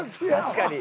確かに。